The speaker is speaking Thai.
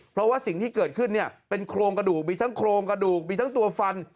เพราะว่าสิ่งที่เกิดขึ้นเนี่ยเป็นโครงกระดูกมีทั้งโครงกระดูกมีทั้งตัวฟัน